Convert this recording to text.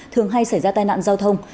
thường hay xảy ra tai nạn giao thông